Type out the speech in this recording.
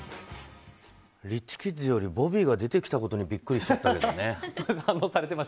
リッチキッズよりボビーが出てきたことにビックリしちゃったけどね。